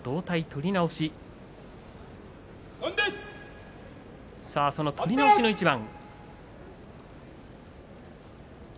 取り直しの一番。